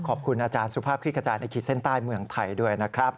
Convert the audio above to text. ขอบคุณอาจารย์สุภาพคลิกกระจายในขีดเส้นใต้เมืองไทยด้วยนะครับ